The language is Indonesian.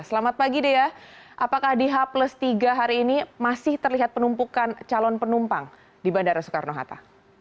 selamat pagi dea apakah di h tiga hari ini masih terlihat penumpukan calon penumpang di bandara soekarno hatta